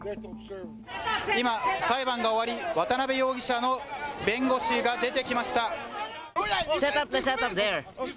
今、裁判が終わり、渡辺容疑者の弁護士が出てきました。